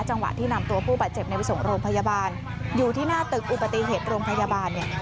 จังหวะที่นำตัวผู้บาดเจ็บในไปส่งโรงพยาบาลอยู่ที่หน้าตึกอุบัติเหตุโรงพยาบาลเนี่ย